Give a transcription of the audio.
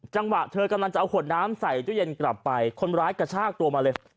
จังหวะเธอกำลังจะเอาขวดน้ำใส่ตู้เย็นกลับไปคนร้ายกระชากตัวมาเลย